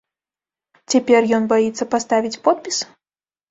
Цяпер ён баіцца паставіць подпіс?